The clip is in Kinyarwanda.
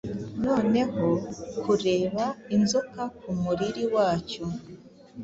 Noneho kureba Inzoka kumuriri wacyo.